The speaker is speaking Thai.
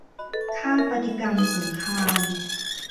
ค่าปฏิกรรมสงคราม